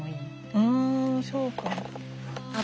ふんそうか。